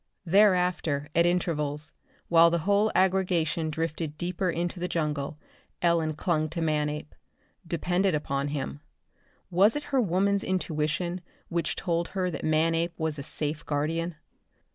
Thereafter at intervals, while the whole aggregation drifted deeper into the jungle, Ellen clung to Manape; depended upon him. Was it her woman's intuition which told her that Manape was a safe guardian?